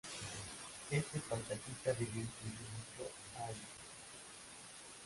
Este paisajista debió influir mucho a Agustín.